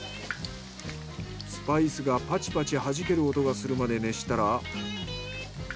スパイスがパチパチはじける音がするまで熱したら。